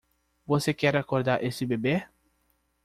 Você quer acordar esse bebê!